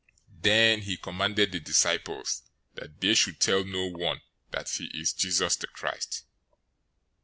016:020 Then he charged the disciples that they should tell no one that he is Jesus the Christ.